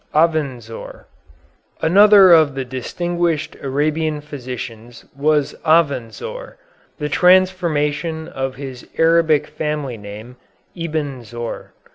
AVENZOAR Another of the distinguished Arabian physicians was Avenzoar the transformation of his Arabic family name, Ibn Zohr.